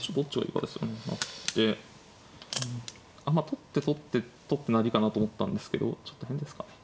取って取って取って成りかなと思ったんですけどちょっと変ですかね。